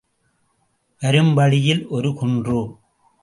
வரும் வழியில் ஒரு குன்று.